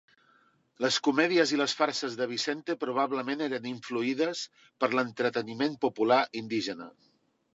Les comèdies i les farses de Vicente probablement eren influïdes per l'entreteniment popular indígena.